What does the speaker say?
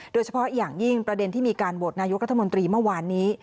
โดยเฉพาะอย่างยิ่งประเด็นที่มีการโหวตนายกรัฐมนตรีเมื่อวานนี้